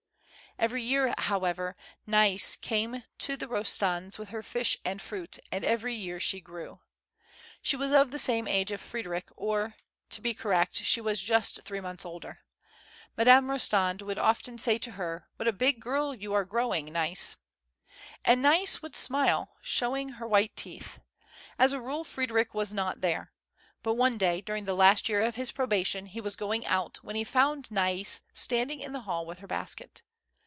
Every year, however, Nais came to the Rostands' with her fish and fruit, and every year she grew. She Avas of the same age as Frederic, or, to be correct, she Avas just three months older. Madame Rostand Avould often say to her : "What a big girl you are groAving, Nai's! " And Nais Avould smile, shoAving her Avhite teeth. As a rule, Frederic Avas not there : but one day, during the last yenr of his probation, he Avas going out, Avhen he found Nais standing in the hall Avith her basket.